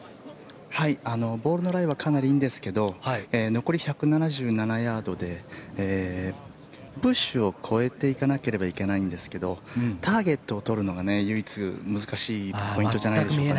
ボールのライはかなりいいんですけど残り１７７ヤードでブッシュを越えていかなければいけないんですがターゲットを取るのが唯一難しいポイントじゃないでしょうかね。